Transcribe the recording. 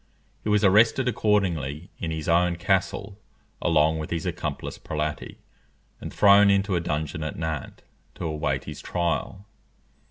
He was arrested accordingly in his own castle, along with his accomplice Prelati, and thrown into a dungeon at Nantes to await his trial.